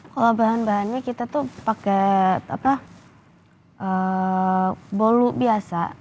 kalau bahan bahannya kita tuh pakai bolu biasa